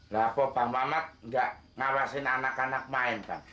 lah kok pak mamat gak ngawasin anak anak main pak